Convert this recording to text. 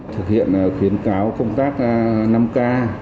thực hiện khuyến cáo công tác năm k